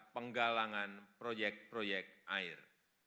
penggalangan proyek proyek air